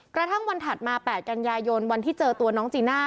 กระทั่งวันถัดมา๘กันยายนวันที่เจอตัวน้องจีน่า